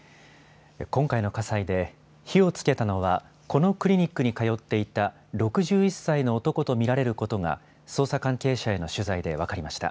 今回の火災で、火をつけたのはこのクリニックに通っていた６１歳の男と見られることが、捜査関係者への取材で分かりました。